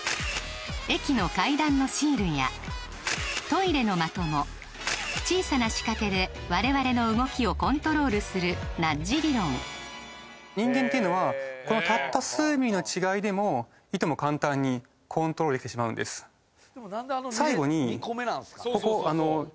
駅の階段のシールやトイレの的も小さな仕掛けで我々の動きをコントロールするナッジ理論人間っていうのはこのたった数ミリの違いでもいとも簡単にコントロールできてしまうんです分かります？